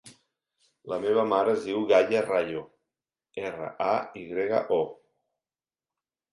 La meva mare es diu Gaia Rayo: erra, a, i grega, o.